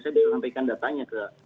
saya belum sampaikan datanya ke